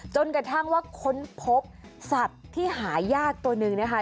จนกระทั่งว่าค้นพบสัตว์ที่หายากตัวหนึ่งนะคะ